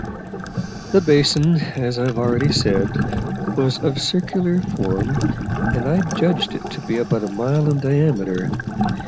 The basin, as I have already said, was of circular form, and I judged it to be about a mile in diameter.